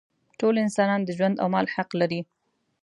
ټول انسانان د ژوند او مال حق لري.